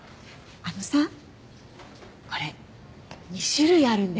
あのさこれ２種類あるんだよね。